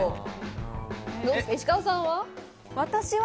石川さんは？